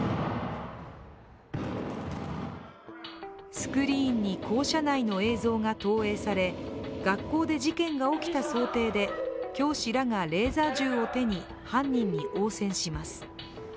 スクリーンに校舎内の映像が投影され、学校で事件が起きた想定で教師らが、レーザー銃を手に犯人に応戦します。